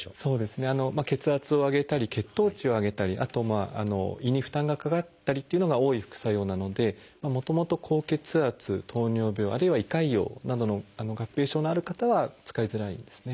血圧を上げたり血糖値を上げたりあと胃に負担がかかったりっていうのが多い副作用なのでもともと高血圧糖尿病あるいは胃潰瘍などの合併症のある方は使いづらいですね。